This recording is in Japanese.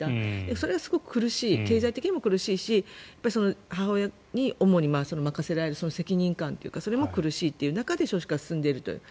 それはすごく経済的にも苦しいし母親に主に任せられる責任感というかそれも苦しい中で少子化が進んでいると。